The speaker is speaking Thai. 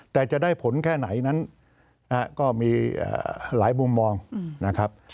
แต่จะได้ผลแค่ไหนนั้นก็มีหลายมุมมองนะครับ